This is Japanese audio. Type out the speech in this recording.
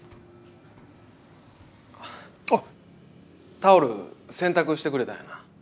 タオル洗濯してくれたんやな。